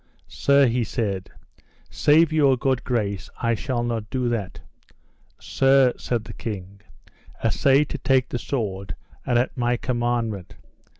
Sir, he said, save your good grace I shall not do that. Sir, said the king, assay to take the sword and at my commandment.